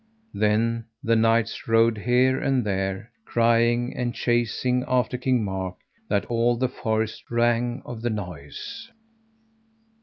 Then the knights rode here and there, crying and chasing after King Mark, that all the forest rang of the noise.